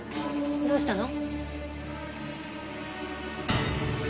どうしたの？